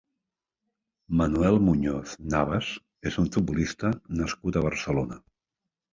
Manuel Muñoz Navas és un futbolista nascut a Barcelona.